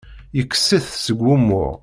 Yekkes-it seg wumuɣ.